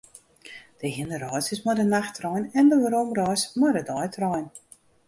De hinnereis is mei de nachttrein en de weromreis mei de deitrein.